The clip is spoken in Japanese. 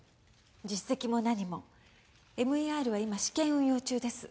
実績も何もＭＥＲは今試験運用中です